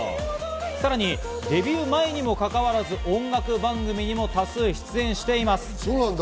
さらにデビュー前にもかかわらず、音楽番組にも多数出演しています。